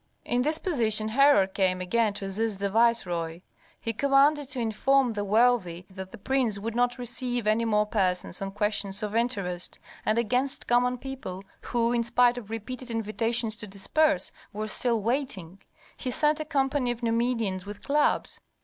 In this position Herhor came again to assist the viceroy. He commanded to inform the wealthy that the prince would not receive any more persons on questions of interest; and against common people, who, in spite of repeated invitations to disperse, were still waiting, he sent a company of Numidians with clubs.